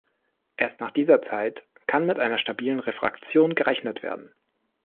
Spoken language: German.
Erst nach dieser Zeit kann mit einer stabilen Refraktion gerechnet werden.